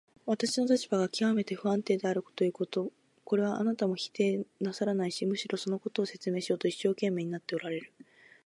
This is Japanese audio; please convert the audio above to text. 私の立場がきわめて不安定であるということ、これはあなたも否定なさらないし、むしろそのことを証明しようと一生懸命になっておられる。